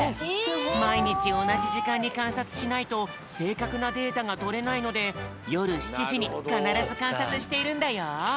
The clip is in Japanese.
まいにちおなじじかんにかんさつしないとせいかくなデータがとれないのでよる７じにかならずかんさつしているんだよ。